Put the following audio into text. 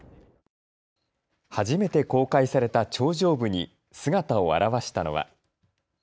初めて公開された頂上部に姿を現したのは。